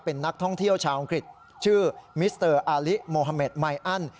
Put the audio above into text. เป็นนักท่องเที่ยวชาวอังกฤษชื่อมิสเตอร์อาลิโมฮาเมดไมอัน